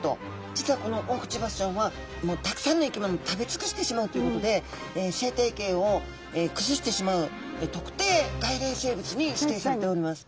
実はこのオオクチバスちゃんはたくさんの生き物を食べつくしてしまうということで生態系をくずしてしまう特定外来生物に指定されております。